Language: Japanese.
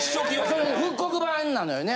それ復刻版なのよね